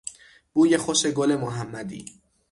بوی خوش گل محمدی